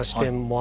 あ。